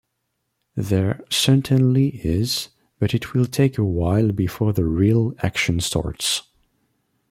There certainly is, but it will take awhile before the "real" action starts.